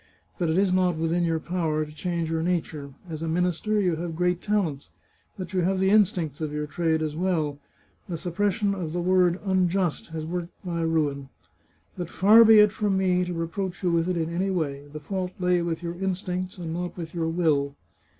But it is not within your power to change your nature. As a minister you have great talents, but you have the instincts of your trade as well. The suppression of the word * un just ' has worked my ruin. But far be it from me to re proach you with it in any way. The fault lay with your instincts, and not with your will.